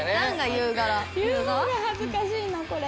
言う方が恥ずかしいなこれ。